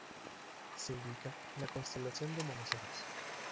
Se ubica en la constelación de Monoceros